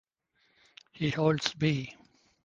He holds B.